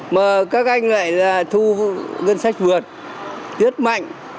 mà các anh lại là thu ngân sách vượt tiết mạnh